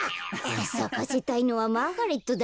さかせたいのはマーガレットだってば。